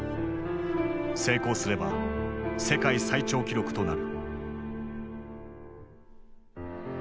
成功すれば世界最長記録となる。